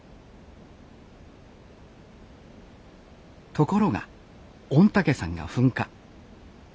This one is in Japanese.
ところが御嶽山が噴火。